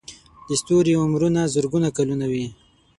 د ستوري عمرونه زرګونه کلونه وي.